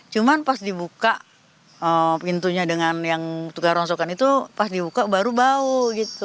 cuman pas dibuka pintunya dengan yang tukar rongsokan itu pas dibuka baru bau gitu